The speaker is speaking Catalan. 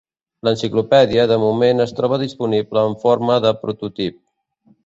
L'"Enciclopèdia" de moment es troba disponible en forma de prototip.